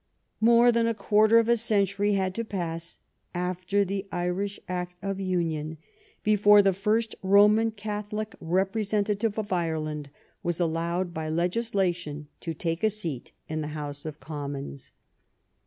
More than a quarter of a century had to pass after the Irish act of union before the first Roman Catholic representative of Ireland was allowed by legislation to take a seat in the House of Commons.